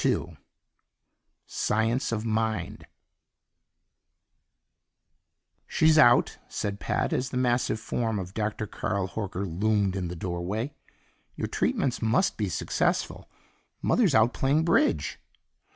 2 Science of Mind "She's out," said Pat as the massive form of Dr. Carl Horker loomed in the doorway. "Your treatments must be successful; Mother's out playing bridge."